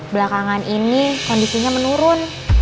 makan ini kondisinya menurun